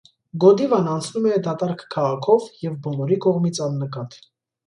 Գոդիվան անցնում է դատարկ քաղաքով և բոլորի կողմից աննկատ։